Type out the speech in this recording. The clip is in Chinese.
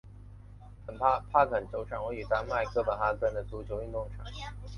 帕肯球场位于丹麦哥本哈根的足球运动场。